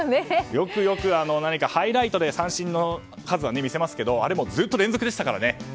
よくハイライトで三振の数は見せますがあれもずっと連続でしたからね。